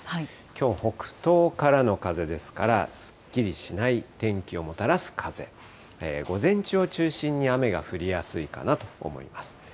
きょう、北東からの風ですから、すっきりしない天気をもたらす風、午前中を中心に雨が降りやすいかなと思います。